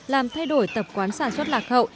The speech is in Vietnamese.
làm thay đổi tập quán sản xuất lạc hậu